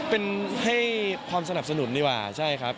เป็นให้ความสนับสนุนดีกว่าใช่ครับ